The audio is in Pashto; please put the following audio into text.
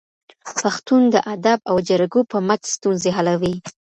پښتون د ادب او جرګو په مټ ستونزې حلوي.